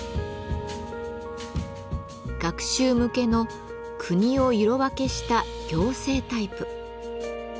学習向けの国を色分けした行政タイプ。